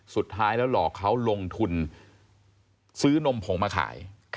สุดท้ายแล้วหลอกเขาลงทุนซื้อนมผงมาขาย